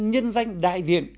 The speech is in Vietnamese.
nhân danh đại diện